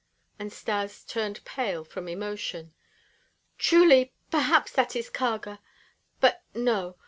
And Stas turned pale from emotion. "Truly Perhaps that is Kharga But no!